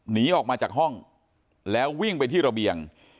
หนีออกมาจากห้องแล้ววิ่งไปที่ระเบียง